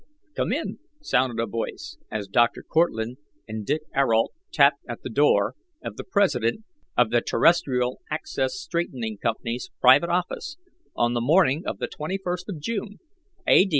"Come in!" sounded a voice, as Dr. Cortlandt and Dick Ayrault tapped at the door of the President of the Terrestrial Axis Straightening Company's private office on the morning of the 21st of June, A.